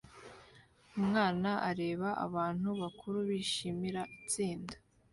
Umwana areba abantu bakuru bishimira itsinda